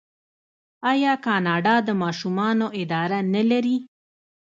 آیا کاناډا د ماشومانو اداره نلري؟